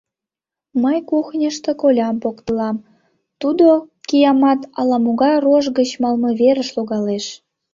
Мый кухньышто колям поктылам, тудо, киямат, ала-могай рож гыч малымверыш логалеш.